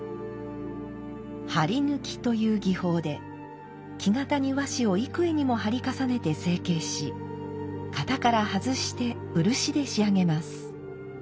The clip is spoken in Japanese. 張抜という技法で木型に和紙を幾重にも貼り重ねて成形し型から外して漆で仕上げます。